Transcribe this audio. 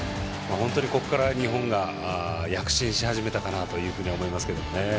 ここから日本が躍進し始めたかなと思いますけれどもね。